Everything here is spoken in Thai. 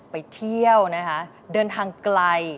ไปเที่ยวเดินทางไกล